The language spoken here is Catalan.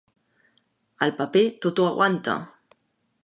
El paper tot ho aguanta.